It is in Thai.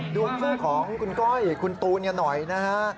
ดูขึ้นของคุณก้อยคุณตูนกันหน่อยนะครับ